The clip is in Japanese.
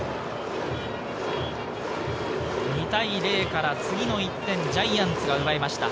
２対０から次の１点、ジャイアンツが奪いました。